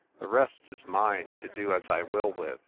The rest is mine, to do as I will with.